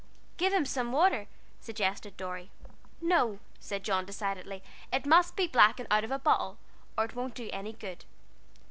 "Give him some water," suggested Dorry. "No," said John, decidedly, "it must be black and out of a bottle, or it won't do any good."